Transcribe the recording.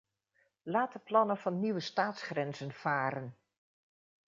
Laat de plannen van nieuwe staatsgrenzen varen.